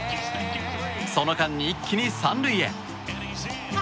その間に一気に３塁へ！